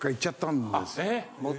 えっ！